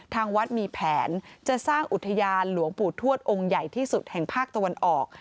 ทางวัดมีแผนจะสร้างอุทยานหลวงปู่ทวดองค์ใหญ่ที่สุดแห่งภาคตะวันออก